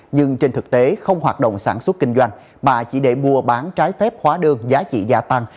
nhưng trên thực tế không hoạt động sản xuất kinh doanh mà chỉ để mua bán trái phép hóa đơn giá trị gia tăng